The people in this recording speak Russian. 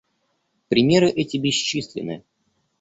Примеры эти бесчисленны.